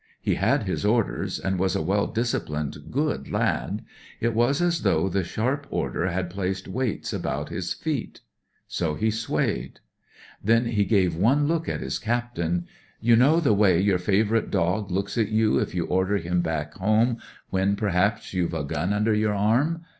He had his orders, and was a well disciplined, good lad. It was as though the sharp order had placed weights about his feet. So he swayed. THE SOUTH AFRICAN 215 Then he gave one look at his captain — "you know the way your favourite dog looks at you if you order him back home when, perhaps, you've a gim under your arm